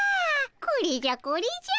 これじゃこれじゃ。